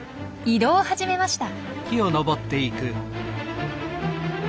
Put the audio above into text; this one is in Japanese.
移動を始めました。